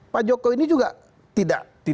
pak jokowi ini juga tidak